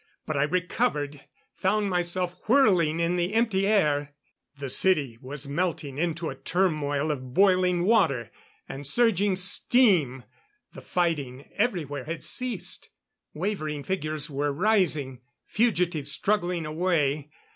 But I recovered, found myself whirling in the empty air.... The city was melting into a turmoil of boiling water and surging steam. The fighting everywhere had ceased. Wavering figures were rising fugitives struggling away.